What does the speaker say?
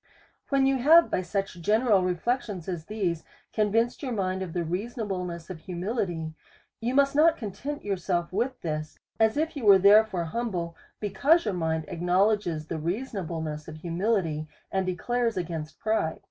When you have, by such general reflections as these, convinced your mind of the reasonableness of humility, you must not content yourself with this, as if you was therefore humble, because your mind acknow ledges the reasonableness of humility, and declares against pride.